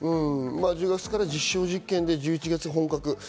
１０月から実証実験で１１月に本格化。